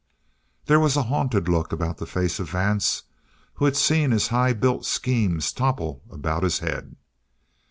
There was a haunted look about the face of Vance, who had seen his high built schemes topple about his head.